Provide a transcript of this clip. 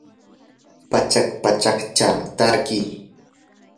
pachak pachakcha tatki